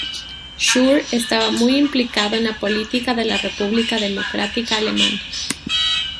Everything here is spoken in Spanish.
Schur estaba muy implicado en la política de la República Democrática Alemana.